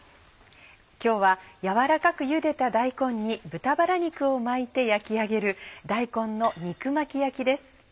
今日は軟らかくゆでた大根に豚バラ肉を巻いて焼き上げる「大根の肉巻き焼き」です。